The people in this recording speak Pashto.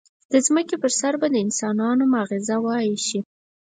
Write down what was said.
د ځمکې پر سر به د انسانانو ماغزه وایشي.